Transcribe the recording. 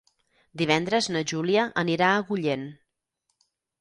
Divendres na Júlia anirà a Agullent.